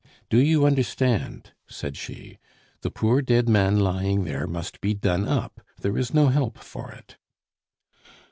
"Do you understand?" said she. "The poor dead man lying there must be done up, there is no help for it."